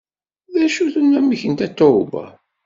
D acu-t unamek n Tatoeba?